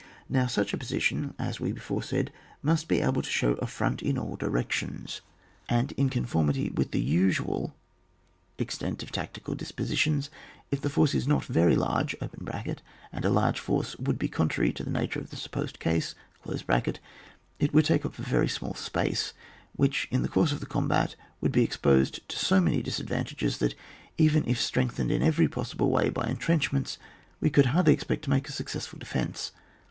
Now such a position, as before said, must be able to show a front in all di rections; and in conformity with the usual extent of tactical positions, if the force is not very large (and a large force would be contrary to the nature of the supposed case) it would take up a very small space, which, in the course of the combat, would be exposed to so many disadvantages that, even if strengthened in every possible way by entrenchments, we could hardly expect to make a suc cessful defence.